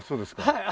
はい。